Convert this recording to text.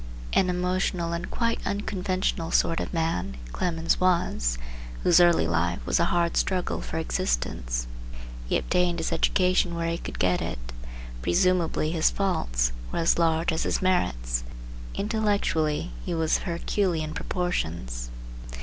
An emotional and quite unconventional sort of man, Clemens was, whose early life was a hard struggle for existence. He obtained his education where he could get it. Presumably his faults were as large as his merits. Intellectually he was of Herculean proportions.